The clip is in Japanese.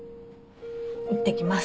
いってきます。